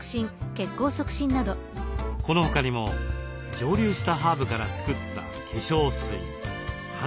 この他にも蒸留したハーブから作った化粧水ハンドクリーム。